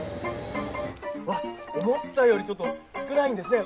わっ思ったよりちょっと少ないんですね